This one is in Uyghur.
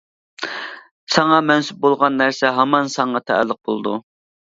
ساڭا مەنسۇپ بۇلغان نەرسە ھامان ساڭا تەئەللۇق بولىدۇ.